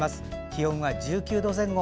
気温は１９度前後。